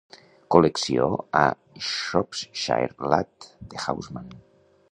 Col·lecció "A Shropshire Lad" de Housman.